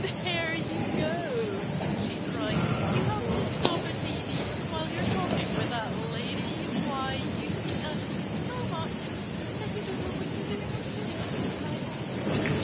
"There you go!" she cried. "You have to stop and eat even while you're talking with a lady! Why, you eat and sleep so much that you don't know what you're doing or saying half the time."